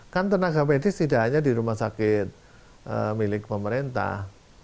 kan tenaga medis tidak hanya di rumah sakit milik pemerintah